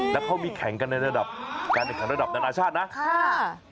อ๋อแล้วเขามีแข่งกันในระดับระดับนานาชาตินะค่ะ